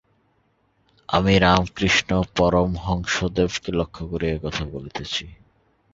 আমি রামকৃষ্ণ পরমহংসদেবকে লক্ষ্য করিয়া এ কথা বলিতেছি।